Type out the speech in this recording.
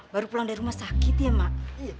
baru pulang dari rumah sakit ya mak